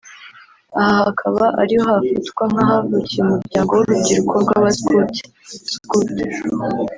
aha hakaba ariho hafatwa nk’ahavukiye umuryango w’urubyiruko rw’abasukuti (scout)